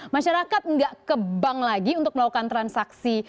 masyarakat nggak ke bank lagi untuk melakukan transaksi